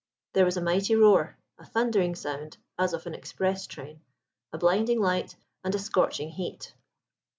There was a mighty roar—a thundering sound, as of an express train—a blinding light, and a scorching heat.